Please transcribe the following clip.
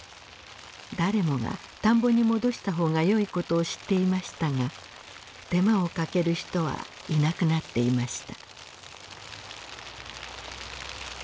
誰もが田んぼに戻した方がよいことを知っていましたが手間をかける人はいなくなっていました。